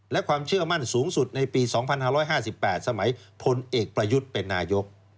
และความเชื่อมั่นสูงสุดในปี๒๕๕๘สมัยพลเอกประยุทธ์เป็นนายก